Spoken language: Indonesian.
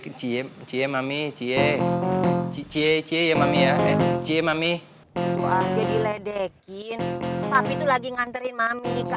ke cie cie mami cie cie cie mami ya cie mami jadi ledekin tapi itu lagi nganterin mami ke